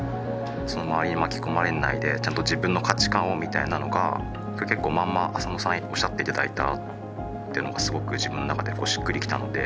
周りに巻き込まれないでちゃんと自分の価値観をみたいなのが結構まんまあさのさんおっしゃって頂いたというのがすごく自分の中でしっくりきたので。